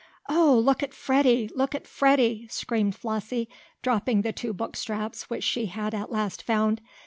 "Oh, look at Freddie! Look at Freddie!" screamed Flossie, dropping the two book straps which she had at last found.